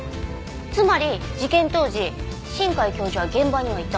つまり事件当時新海教授は現場にはいた。